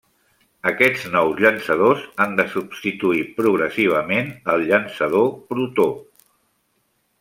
Aquests nous llançadors han de substituir progressivament el llançador Protó.